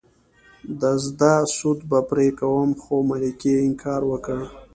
د زده سود به پرې کوم خو ملکې انکار وکړ.